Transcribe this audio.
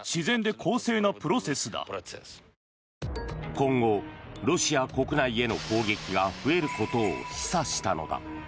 今後、ロシア国内への攻撃が増えることを示唆したのだ。